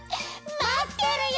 まってるよ！